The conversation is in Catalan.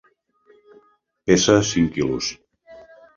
Pesa cinc quilos.